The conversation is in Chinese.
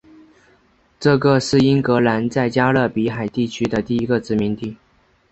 这个是英格兰在加勒比海地区的第一个殖民地。